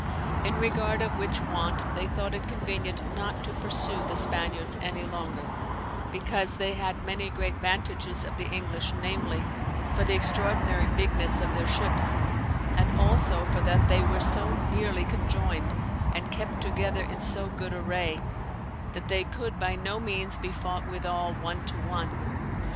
In regard of which want they thought it convenient not to pursue the Spaniards any longer, because they had many great vantages of the English, namely, for the extraordinary bigness of their ships, and also for that they were so neerley conjoyned, and kept together in so good array, that they could by no meanes be fought withall one to one.